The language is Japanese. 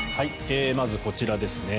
まず、こちらですね。